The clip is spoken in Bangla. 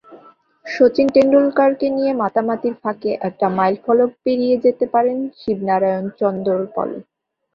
শচীন টেন্ডুলকারকে নিয়ে মাতামাতির ফাঁকে একটা মাইলফলক পেরিয়ে যেতে পারেন শিবনারায়ণ চন্দরপল।